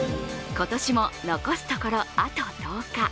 今年も残すところあと１０日。